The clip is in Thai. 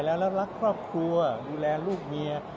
แล้วรักครอบครัวดูแลลูกเมีย